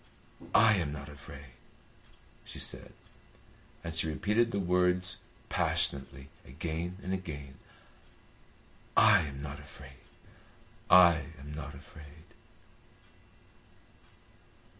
"I am not afraid," she said, and she repeated the words passionately again and again. "I am not afraid. I am not afraid."